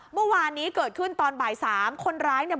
เมื่อวานนี้เกิดขึ้นตอนบ่ายสามคนร้ายเนี่ย